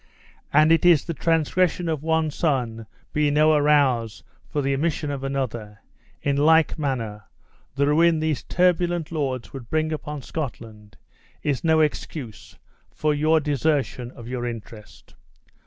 And it the transgression of one son be no arouse for the omission of another, in like manner, the ruin these turbulent lords would bring upon Scotland is no excuse for your desertion of your interest.